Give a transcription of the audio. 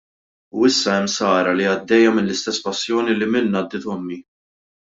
U issa hemm Sara li għaddejja mill-istess passjoni li minnha għaddiet ommi.